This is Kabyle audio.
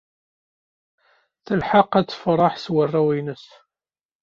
Tla lḥeqq ad tefṛeḥ s warraw-nnes.